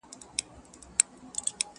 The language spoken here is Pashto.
ويل زما د سر امان دي وي څښتنه .!